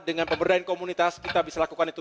dengan pemberdayaan komunitas kita bisa lakukan itu